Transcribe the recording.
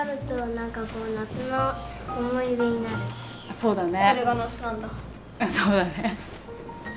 そうだね。